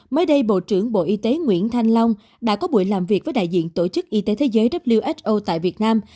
mới đây bộ trưởng bộ y tế nguyễn thanh long đã có buổi làm việc với đại diện tổ chức y tế thế giới who tại việt nam